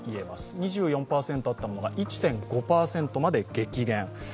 ２４％あったものが１．５％まで激減。